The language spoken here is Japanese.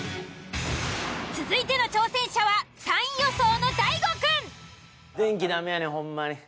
続いての挑戦者は３位予想の大悟くん。